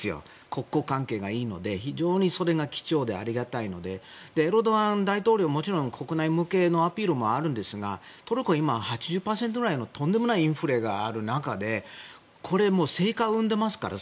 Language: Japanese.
国交関係がいいので非常にそれが貴重でありがたいのでエルドアン大統領もちろん国内向けのアピールもあるんですがトルコは今、８０％ぐらいのとんでもないインフレがある中でこれ、すでに成果を生んでますから。